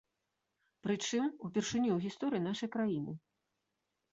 Прычым, упершыню ў гісторыі нашай краіны.